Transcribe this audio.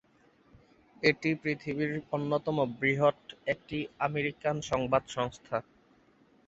এটি পৃথিবীর অন্যতম বৃহৎ একটি আমেরিকান সংবাদ সংস্থা।